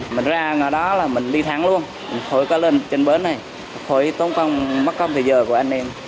mình đi thắng luôn khối có lên trên bến này khối tốn công mất công thời gian của anh em